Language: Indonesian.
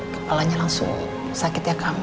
kepalanya langsung sakit ya kang